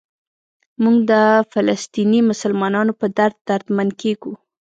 موږ د فلسطیني مسلمانانو په درد دردمند کېږو.